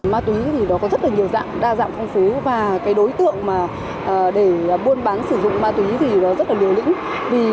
ma túy có rất nhiều dạng đa dạng phong phú và đối tượng để buôn bán sử dụng ma túy rất là liều lĩnh